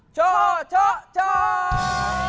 ชขช๊กช่อก